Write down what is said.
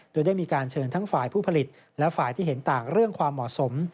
โดยได้มีการเชิญทั้งฝ่ายผู้ผลิตและฝ่ายที่เห็นต่างเรื่องความเหมาะสม